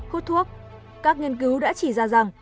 hút thuốc các nghiên cứu đã chỉ ra rằng